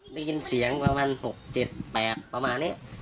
ได้ยินเสียงประมาณ๖๗๘ประมาณนี้